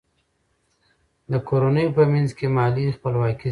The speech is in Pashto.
د کورنیو په منځ کې مالي خپلواکي زیاتیږي.